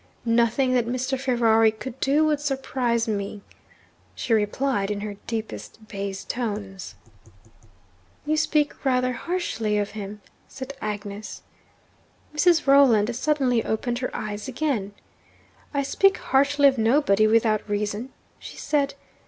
'Nothing that Mr. Ferrari could do would surprise me,' she replied in her deepest bass tones. 'You speak rather harshly of him,' said Agnes. Mrs. Rolland suddenly opened her eyes again. 'I speak harshly of nobody without reason,' she said.